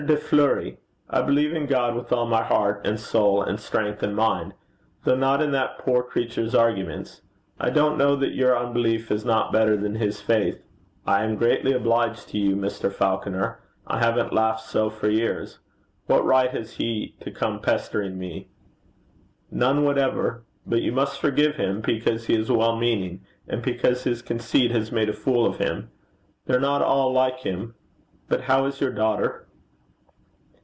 De Fleuri, I believe in God with all my heart, and soul, and strength, and mind; though not in that poor creature's arguments. I don't know that your unbelief is not better than his faith.' 'I am greatly obliged to you, Mr. Falconer. I haven't laughed so for years. What right has he to come pestering me?' 'None whatever. But you must forgive him, because he is well meaning, and because his conceit has made a fool of him. They're not all like him. But how is your daughter?'